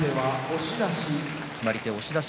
決まり手は押し出し。